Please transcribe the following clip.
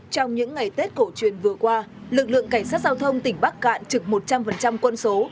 trong những ngày tết cổ truyền vừa qua lực lượng cảnh sát giao thông tỉnh bắc cạn trực một trăm linh quân số